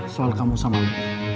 soal kamu sama aku